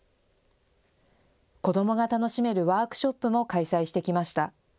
子どもが楽しめるワークショップも開催してきました。